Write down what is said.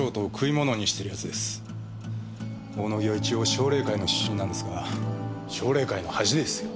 大野木は一応奨励会の出身なんですが奨励会の恥ですよ。